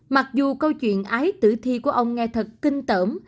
mặc dù câu chuyện ái tử thi của ông nghe thật kinh tở